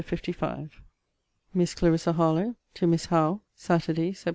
LETTER LV MISS CLARISSA HARLOWE, TO MISS HOWE SATURDAY, SEPT.